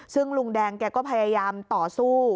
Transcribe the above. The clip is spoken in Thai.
ซึ่งลุงแดงแกก็พยายามต่อสู้